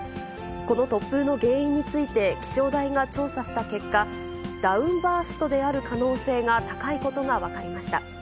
この突風の原因について、気象台が調査した結果、ダウンバーストである可能性が高いことが分かりました。